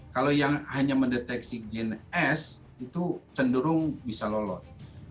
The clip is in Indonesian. kalau yang hanya mendeteksi jn s itu cenderung bisa lolos